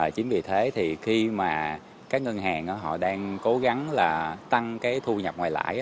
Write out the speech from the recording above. chính vì thế thì khi mà các ngân hàng họ đang cố gắng tăng thu nhập ngoài lãi